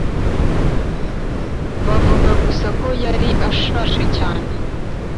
bavuga gusa ko yari ashaje cyane.